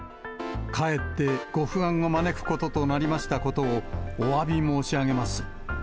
かえってご不安を招くこととなりましたことをおわび申し上げます。